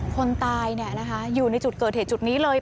คนตายอยู่ในจุดเกิดเหตุจุดนี้เลย